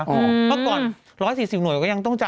เพราะก่อน๑๔๐หน่วยก็ยังต้องจ่าย